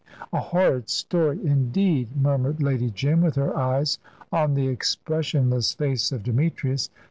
"A horrid story indeed," murmured Lady Jim, with her eyes on the expressionless face of Demetrius.